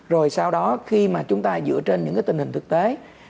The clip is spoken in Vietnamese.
rồi sau đó khi mà chúng ta dựa trên những cái tình hình thực tế